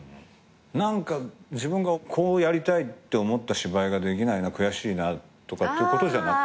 何か自分がこうやりたいって思った芝居ができないな悔しいなとかっていうことじゃなく？